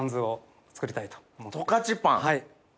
はい。